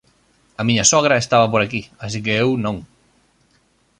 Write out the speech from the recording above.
A miña sogra estaba por aquí, así que eu non.